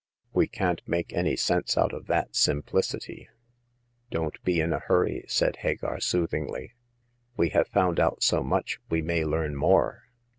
We can't make any sense out of that simplicity/* " Don't be in a hurry,'* said Hagar, soothingly ; "we have found out so much, we may learn more.